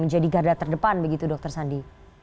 menjadi garda terdepan begitu dokter sandi